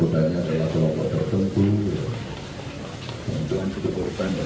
kalau tertentu keuntungan kekeputusan dan sebagainya itu tidak ditahan tahan